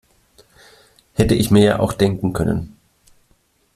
Hätte ich mir ja auch denken können.